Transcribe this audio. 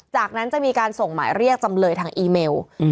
จากนั้นจะมีการส่งหมายเรียกจำเลยทางอีเมล